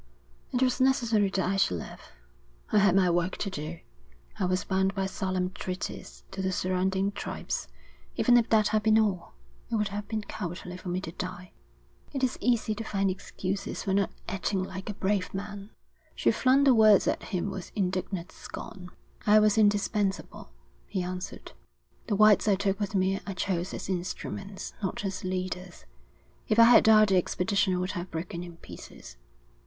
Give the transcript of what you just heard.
It was necessary that I should live. I had my work to do. I was bound by solemn treaties to the surrounding tribes. Even if that had been all, it would have been cowardly for me to die.' 'It is easy to find excuses for not acting like a brave man.' She flung the words at him with indignant scorn. 'I was indispensable,' he answered. 'The whites I took with me I chose as instruments, not as leaders. If I had died the expedition would have broken in pieces.